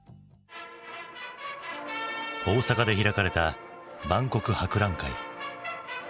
大阪で開かれた万国博覧会。